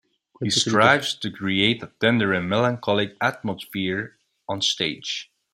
He strives to create a tender and melancholic atmosphere on stage.